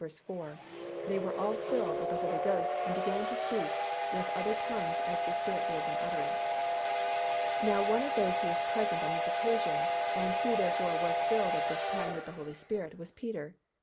4, "They were all filled with the Holy Ghost and began to speak with other tongues as the Spirit gave them utterance." Now one of those who was present on this occasion and who therefore was filled at this time with the Holy Spirit was Peter.